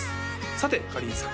さてかりんさん